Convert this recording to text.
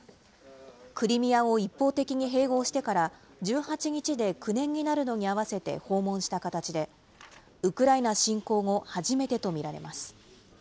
クリミアを一方的に併合してから１８日で９年になるのに合わせて訪問した形で、ウクライナ侵攻後、初めてと見られます。